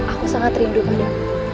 aku sangat rindu madu